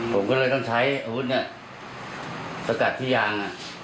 ผมก็เลยต้องใช้อาวุธเนี่ยสกัดที่ยาง